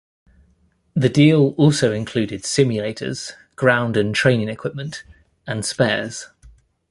The deal also included simulators, ground and training equipment and spares.